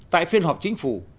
tại phiên họp chính phủ